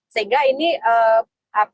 sehingga ini bisa membalas